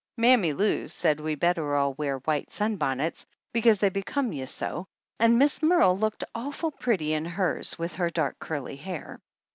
Mammy Lou said we better all wear white sunbonnets, because they become you so, and Miss Merle looked awful pretty in hers, with her dark, curly hair.